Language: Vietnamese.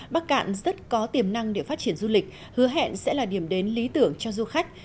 bắc cạn rất có tiềm năng để phát triển du lịch hứa hẹn sẽ là điểm đến lý tưởng cho du khách